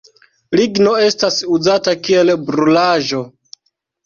Ligno estas uzata kiel brulaĵo.